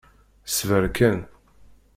Sber kan.